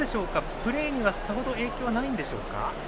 プレーにはさほど影響はないんでしょうか。